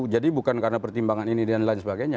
jadi bukan karena pertimbangan ini dan lain sebagainya